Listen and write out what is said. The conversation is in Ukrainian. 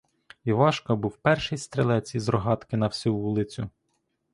Івашко був перший стрілець із рогатки на всю вулицю.